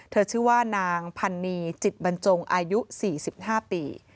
ชื่อว่านางพันนีจิตบรรจงอายุ๔๕ปี